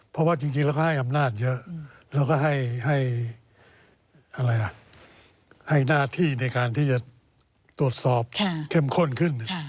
เพราะว่าจริงเราก็ให้อำนาจเยอะแล้วก็ให้หน้าที่ในการที่จะตรวจสอบเข้มข้นขึ้น